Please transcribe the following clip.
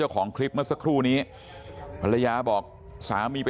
พวกมันกลับมาเมื่อเวลาที่สุดพวกมันกลับมาเมื่อเวลาที่สุด